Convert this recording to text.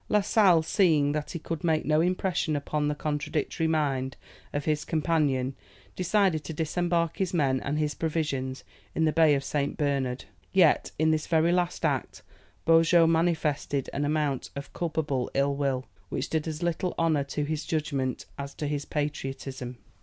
La Sale, seeing that he could make no impression upon the contradictory mind of his companion, decided to disembark his men and his provisions in the Bay of St. Bernard. Yet, in this very last act, Beaujeu manifested an amount of culpable ill will, which did as little honour to his judgment as to his patriotism.